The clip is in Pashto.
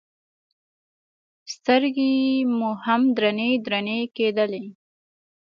سترګې مو هم درنې درنې کېدلې.